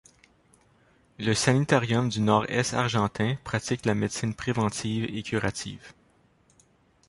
Le sanitarium du Nord-Est argentin pratique la médecine préventive et curative.